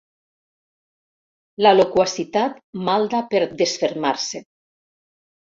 La loquacitat malda per desfermar-se.